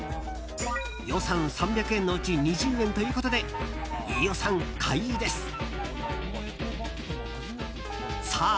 予算３００円のうち２０円ということで飯尾さん、買いです。